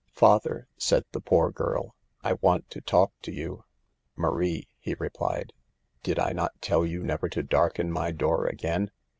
"Father/' said the poor girl, "I want to talk to you." "Marie," he replied, "did I not tell you never to darken my door again?